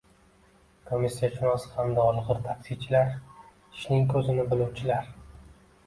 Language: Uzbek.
komissiyashunos hamda olg‘ir taksichilar «ishning ko‘zini biluvchi»lar!